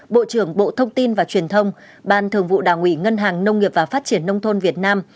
bộ trưởng bộ thông tin và truyền thông ban thường vụ đảng ủy ngân hàng nông nghiệp và phát triển nông thôn việt nam